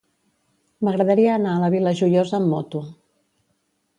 M'agradaria anar a la Vila Joiosa amb moto.